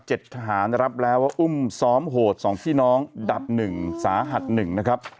ทหารรับแล้วว่าอุ้มซ้อมโหดสองพี่น้องดับหนึ่งสาหัสหนึ่งนะครับ